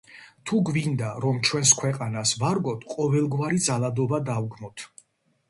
თუ გვინდა, რომ ჩვენს ქვეყანას ვარგოთ, ყოველგვარი ძალადობა დავგმოთ!